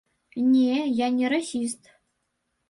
Не, я не расіст.